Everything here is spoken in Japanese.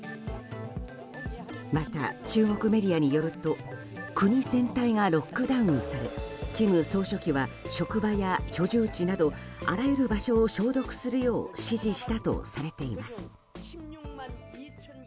また、中国メディアによると国全体がロックダウンされ金総書記は職場や居住地などあらゆる場所を消毒するよう指示したとされています。